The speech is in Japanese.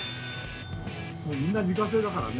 みんな自家製だからね。